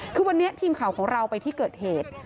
คือวันนี้ทีมข่าวของเราไปที่เกิดเหตุ